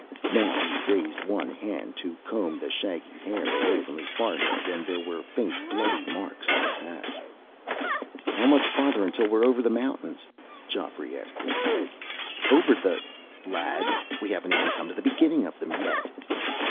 Now he raised one hand to comb the shaggy hair away from his forehead, and there were faint bloody marks on the hatch. "How much farther until we're over the mountains?" Geoffrey asked him. "Over the lad, we haven't even come to the beginning of them yet."